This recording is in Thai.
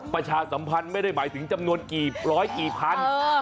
ประชาสัมพันธ์ไม่ได้หมายถึงจำนวนกี่ร้อยกี่พัน